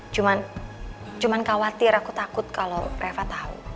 cuman cuman khawatir aku takut kalau reva tau